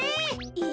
え